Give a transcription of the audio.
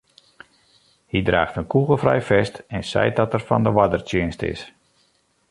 Hy draacht in kûgelfrij fest en seit dat er fan de oardertsjinst is.